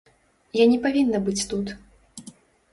Я не павінна быць тут.